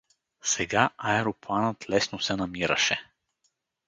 Сега аеропланът лесно се намираше.